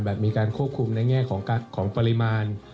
มีการควบคุมในแง่ของปริมาณ